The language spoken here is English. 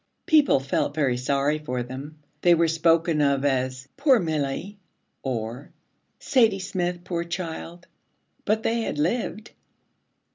People felt very sorry for them: they were spoken of as 'poor Milly,' or 'Sadie Smith, poor child'; but they had lived.